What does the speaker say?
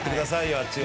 あっちを。